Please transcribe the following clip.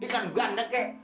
ikan ganda kek